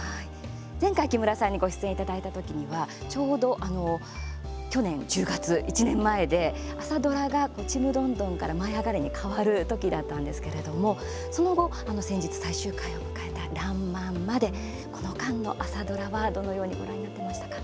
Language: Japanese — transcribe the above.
前回、木村さんにご出演いただいた時にはちょうど去年１０月、１年前で朝ドラが「ちむどんどん」から「舞いあがれ」に変わる時だったんですけれどもその後、先日最終回を迎えた「らんまん」までこの間の朝ドラは、どのようにご覧になっていましたか。